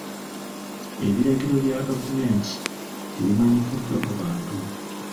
Ebiragiro bya gavumenti tebimanyikiddwa mu bantu.